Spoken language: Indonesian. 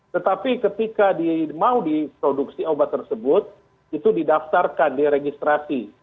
tetapi ketika mau diproduksi obat tersebut itu didaftarkan diregistrasi